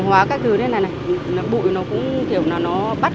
hành khô là bụi nó bay nhiều lắm